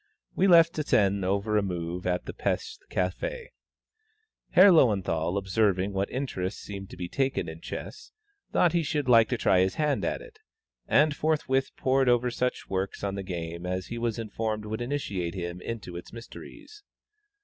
We left Zsen over a move at the Pesth café. Herr Löwenthal observing what interest seemed to be taken in chess, thought he should like to try his hand at it, and forthwith pored over such works on the game as he was informed would initiate him into its mysteries.